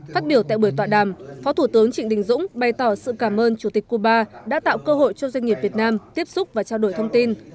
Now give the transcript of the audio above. phát biểu tại buổi tọa đàm phó thủ tướng trịnh đình dũng bày tỏ sự cảm ơn chủ tịch cuba đã tạo cơ hội cho doanh nghiệp việt nam tiếp xúc và trao đổi thông tin